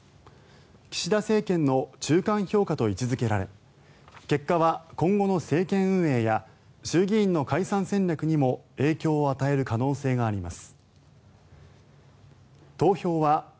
岸田政権の中間評価と位置付けられ結果は今後の政権運営や衆議院の解散戦略にも影響を与える可能性があります。